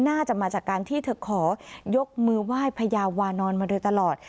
น่าจะมาจากการที่เธอขอยกมือไหว้พญาวานอนมาโดยตลอด